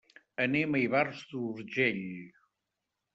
Anem a Ivars d'Urgell.